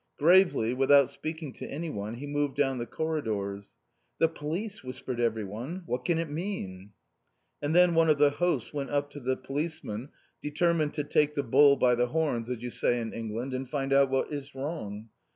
Gravely, without speaking to anyone he moved down the corridors. 'The Police,' whispered everyone. 'What can it mean?' And then one of the hosts went up to the policeman, determined to take the bull by the horns, as you say in Angleterre, and find out what is wrong.